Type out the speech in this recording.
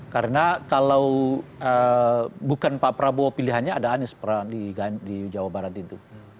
karena kalau bukan pak prabowo pilihannya ada anies di jawa barat itu